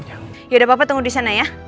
yaudah papa tunggu di sana ya